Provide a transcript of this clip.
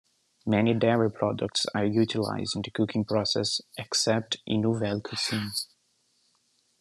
Many dairy products are utilised in the cooking process, except in nouvelle cuisine.